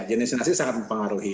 jenis nasi sangat mempengaruhi